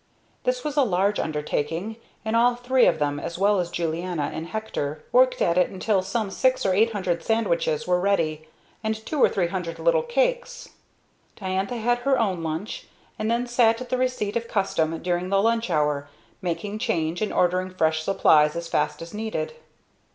This was a large undertaking, and all three of them, as well as Julianna and Hector worked at it until some six or eight hundred sandwiches were ready, and two or three hundred little cakes. Diantha had her own lunch, and then sat at the receipt of custom during the lunch hour, making change and ordering fresh supplies as fast as needed.